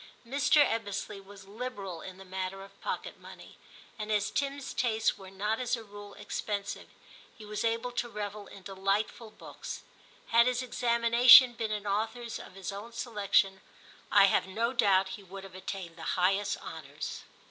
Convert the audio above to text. Mr. Ebbesley was liberal in the matter of pocket money, and as Tim's tastes were not as a rule ex pensive, he was able to revel in delightful books. Had his examinations been in authors of his own selection I have no doubt he would have attained the highest honours.